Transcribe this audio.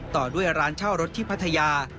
ต่อด้วยร้านเช่ารถที่พัทยา